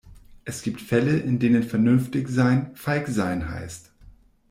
Es gibt Fälle, in denen vernünftig sein, feig sein heißt.